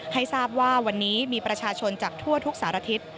ให้ทราบว่าวันนี้มีประชาชนจากทั่วทุกสารทิศ